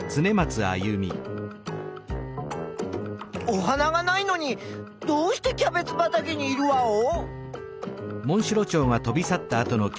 お花がないのにどうしてキャベツばたけにいるワオ？